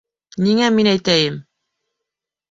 — Ниңә мин әйтәйем?